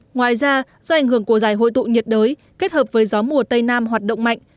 ngoài ra do ảnh hưởng của giải hội tụ nhiệt đới kết hợp với gió mùa tây nam hoạt động mạnh